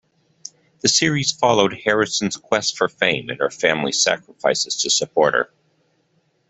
The series followed Harrison's quest for fame and her family's sacrifices to support her.